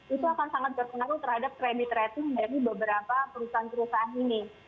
itu akan sangat berpengaruh terhadap kredit rating dari beberapa perusahaan perusahaan ini